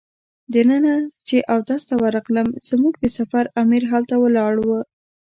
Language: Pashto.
دننه چې اودس ته ورغلم زموږ د سفر امیر هلته ولاړ و.